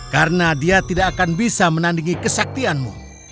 karena dia tidak akan bisa menandingi kesaktianmu